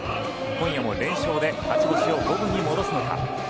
今夜も連勝で勝ち星を五分に戻すのか。